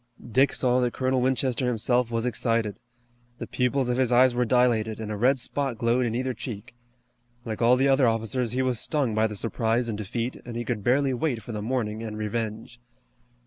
Dick saw that Colonel Winchester himself was excited. The pupils of his eyes were dilated, and a red spot glowed in either cheek. Like all the other officers he was stung by the surprise and defeat, and he could barely wait for the morning and revenge.